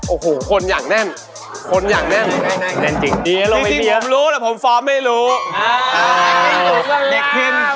โอ้โหคนอย่างแน่นคนอย่างแน่น